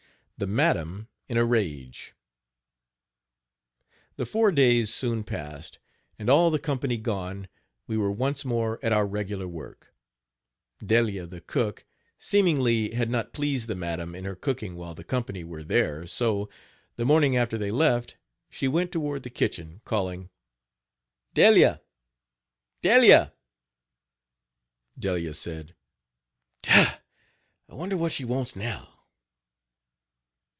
THE MADAM IN A RAGE. The four days soon passed, and all the company gone, we were once more at our regular work. Delia, the cook, seemingly had not pleased the madam in Page 71 her cooking while the company were there; so, the morning after they left, she went toward the kitchen, calling: "Delia, Delia." Delia said: "Dah! I wonder what she wants now."